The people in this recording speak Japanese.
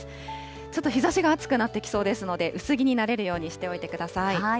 ちょっと日ざしが暑くなってきそうですので、薄着になれるようにしておいてください。